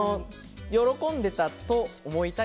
喜んでいたと思いたい。